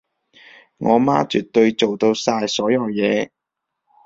我媽絕對做到晒所有嘢